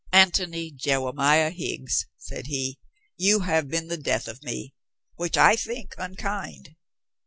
"Antony Jewemiah Higgs," said he, "you have been the death of me. Which I think unkind."